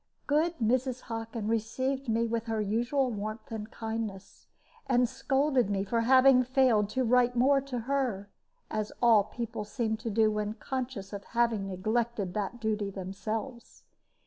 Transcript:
Good Mrs. Hockin received me with her usual warmth and kindness, and scolded me for having failed to write more to her, as all people seem to do when conscious of having neglected that duty themselves.